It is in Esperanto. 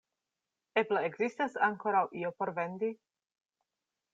Eble ekzistas ankoraŭ io por vendi?